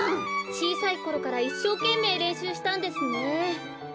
ちいさいころからいっしょうけんめいれんしゅうしたんですね。